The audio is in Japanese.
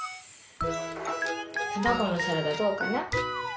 たまごのサラダどうかな？